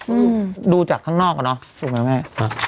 อืมดูจากข้างนอกก็เนอะสูงแม่